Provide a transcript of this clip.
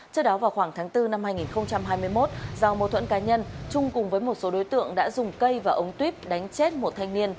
trước đó vào khoảng tháng bốn năm hai nghìn hai mươi một do mô thuẫn cá nhân trung cùng với một số đối tượng đã dùng cây và ống tuyếp đánh chết một thanh niên